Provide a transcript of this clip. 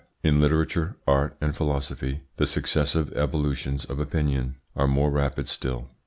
In literature, art, and philosophy the successive evolutions of opinion are more rapid still.